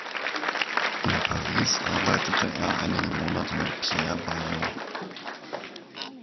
In Paris arbeitete er einige Monate mit Pierre Baillot.